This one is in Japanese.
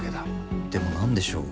でも何でしょう？